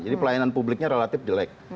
jadi pelayanan publiknya relatif jelek